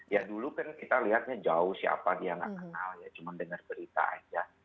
ya dulu kan kita lihatnya jauh siapa dia nggak kenal ya cuma dengar berita aja